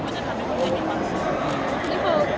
ที่สองก็ประกายมีเพื่อนอยู่ทีเกาะเยอะ